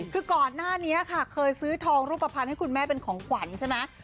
คือก่อนหน้านี้ค่ะเคยซื้อทองรูปภัณฑ์ให้คุณแม่เป็นของขวัญใช่ไหม